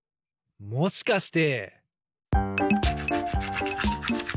もしかして。